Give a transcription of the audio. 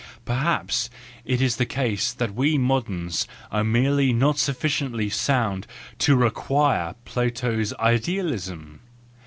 —Perhaps, is it the case that we moderns are merely not sufficiently sound to require Plato's idealism